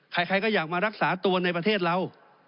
ใครก็อยากมารักษาตัวในประเทศเรา